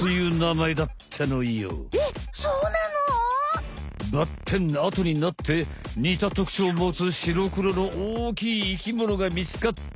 ばってんあとになってにたとくちょうをもつ白黒の大きい生きものがみつかった。